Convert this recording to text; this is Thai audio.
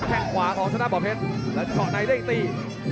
แข่งขวาของสนับบ่อเพชรและเจาะในด้วยตี